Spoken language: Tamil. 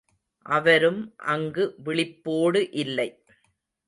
அவரும் அங்கு விழிப்போடு இல்லை.